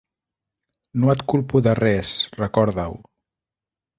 No et culpo de res, recorda-ho.